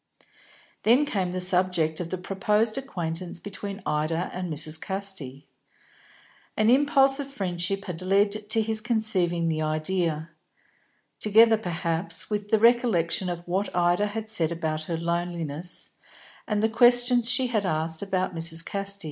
Then came the subject of the proposed acquaintance between Ida and Mrs. Casti. An impulse of friendship had led to his conceiving the idea; together, perhaps, with the recollection of what Ida had said about her loneliness, and the questions she had asked about Mrs. Casti.